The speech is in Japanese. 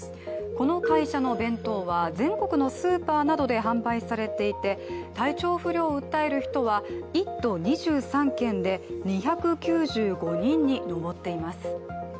この会社の弁当は全国のスーパーなどで販売されていて、体調不良を訴える人は１都２３県で２９５人に上っています。